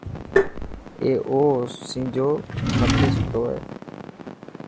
اي او اوسينجي مٿي ستو هي.